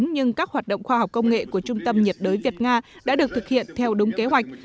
nhưng các hoạt động khoa học công nghệ của trung tâm nhiệt đới việt nga đã được thực hiện theo đúng kế hoạch